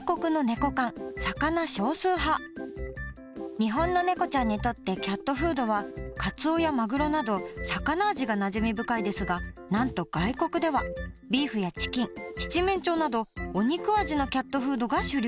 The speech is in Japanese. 日本のねこちゃんにとってキャットフードはカツオやマグロなど魚味がなじみ深いですがなんと外国ではビーフやチキン七面鳥などお肉味のキャットフードが主流。